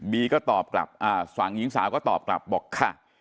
ก็ตอบกลับฝั่งหญิงสาวก็ตอบกลับบอกค่ะ